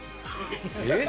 えっ？